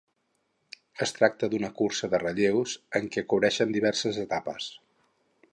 Es tracta d’una cursa de relleus en què cobreixen diverses etapes.